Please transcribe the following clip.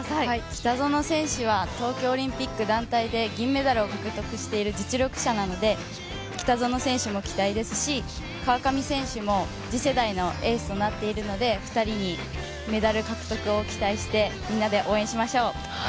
北園選手は東京オリンピック団体で銀メダルを取っている実力者なので、北園選手も期待ですし、川上選手も次世代のエースとなっているので２人にメダル獲得を期待してみんなで応援しましょう。